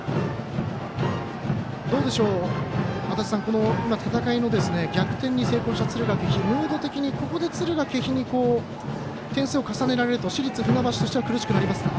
どうでしょう、今戦いの逆転に成功した敦賀気比、ムード的にここで敦賀気比に点数を重ねられると市立船橋としては苦しくなりますか？